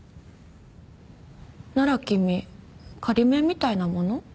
なら君仮免みたいなもの？